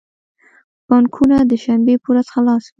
بانکونه د شنبی په ورځ خلاص وی